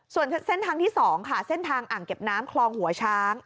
ส่วนเส้นทางที่๒ค่ะเส้นทางอ่างเก็บน้ำคลองหัวช้าง